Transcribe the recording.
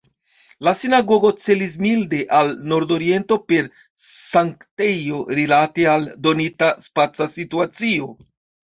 La sinagogo celis milde al nordoriento per sanktejo, rilate al donita spaca situacio.